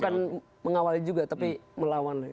bukan mengawalnya juga tapi melawan